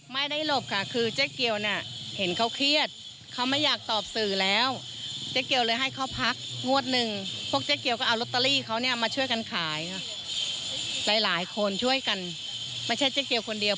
ทั้งเจ้าหน้าที่หลายหน่วยแล้วก็สื่อ